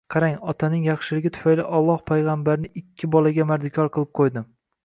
Qarang, otaning yaxshiligi tufayli Alloh Payg‘ambarni ikki bolaga mardikor qilib qo‘ydi